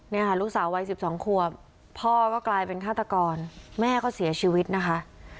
นี่ค่ะลูกสาววัย๑๒ขวบพ่อก็กลายเป็นฆาตกรแม่ก็เสียชีวิตนะคะ